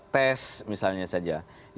tes misalnya saja